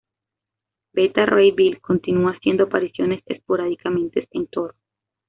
Beta Ray Bill continuó haciendo apariciones esporádicamente en Thor.